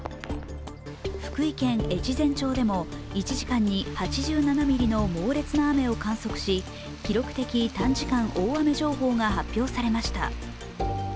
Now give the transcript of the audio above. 福井県越前町でも、１時間に８７ミリの猛烈な雨を観測し、記録的短時間大雨情報が発表されました。